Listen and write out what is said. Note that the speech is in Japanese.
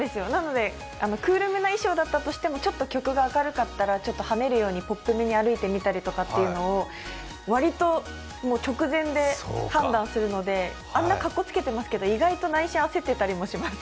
クールめな衣装だったとしてもちょっとはねるようにポップ目に歩いてみたりとかっていうのを割と直前で判断するので、あんなかっこつけてますけど、意外と内心焦ってたりしてます。